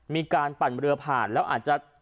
ปั่นเรือผ่านแล้วอาจจะ